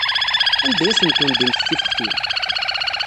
Anda ay asent-tendimt tifextin?